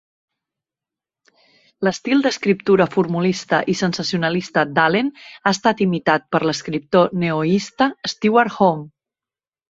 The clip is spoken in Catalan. L'estil d'escriptura formulista i sensacionalista d'Allen ha estat imitat per l'escriptor neoista Steward Home.